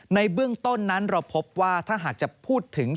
ในเบื้องต้นนั้นเราพบว่าถ้าหากจะพูดถึง